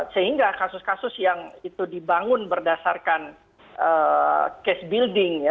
sehingga kasus kasus yang itu dibangun berdasarkan case building ya